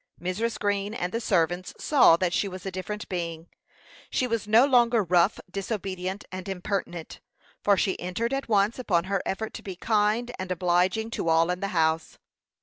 Mrs. Green and the servants saw that she was a different being. She was no longer rough, disobedient, and impertinent, for she entered at once upon her effort to be kind and obliging to all in the house.